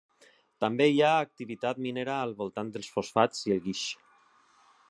També hi ha activitat minera al voltant dels fosfats i el guix.